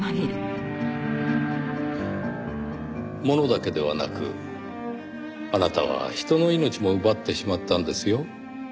ものだけではなくあなたは人の命も奪ってしまったんですよ。